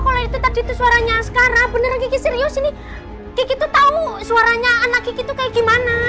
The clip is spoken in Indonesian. kalau itu tadi itu suaranya askara beneran kiki serius ini kiki tuh tau suaranya anak kiki tuh kayak gimana